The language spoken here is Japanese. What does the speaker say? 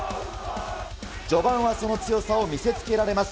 序盤はその強さを見せつけられます。